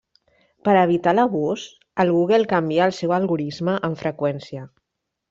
Per a evitar l'abús, el Google canvia el seu algorisme amb freqüència.